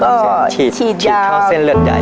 เขาเส้นเลือดใหญ่